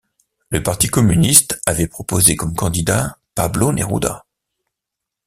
Le Parti Communiste avait proposé comme candidat Pablo Neruda.